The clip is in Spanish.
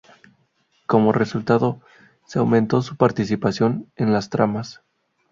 Como resultado, se aumentó su participación en las tramas.